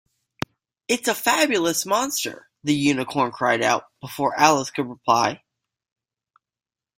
‘It’s a fabulous monster!’ the Unicorn cried out, before Alice could reply.